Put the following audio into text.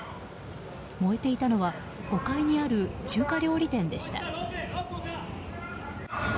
燃えていたのは５階にある中華料理店でした。